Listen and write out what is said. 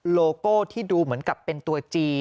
โลโก้ที่ดูเหมือนกับเป็นตัวจี